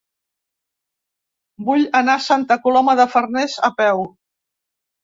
Vull anar a Santa Coloma de Farners a peu.